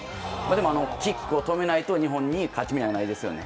でも、あのキックを止めないと日本に勝ち目はないですね。